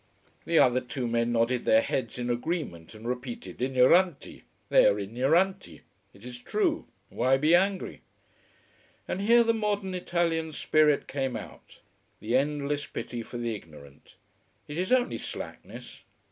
The other two men nodded their heads in agreement and repeated ignoranti. They are ignoranti. It is true. Why be angry? And here the modern Italian spirit came out: the endless pity for the ignorant. It is only slackness.